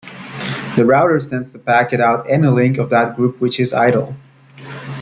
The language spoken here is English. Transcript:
The router sends the packet out any link of that group which is idle.